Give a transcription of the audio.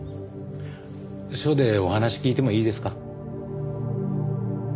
署でお話聞いてもいいですか？